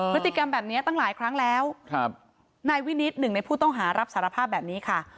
พฤติกรรมแบบนี้ตั้งหลายครั้งแล้วครับนายวินิตหนึ่งในผู้ต้องหารับสารภาพแบบนี้ค่ะ